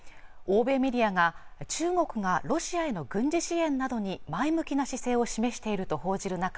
欧米メディアが中国がロシアへの軍事支援などに前向きな姿勢を示していると報じる